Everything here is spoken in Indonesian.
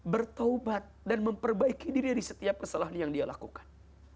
bertaubat dan memperbaiki diri dari setiap kesalahan yang dia lakukan